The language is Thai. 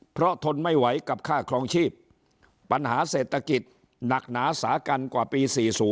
เพราะทนไม่ไหวกับค่าครองชีพปัญหาเศรษฐกิจหนักหนาสากันกว่าปี๔๐